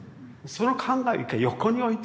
その考えを一回横に置いて。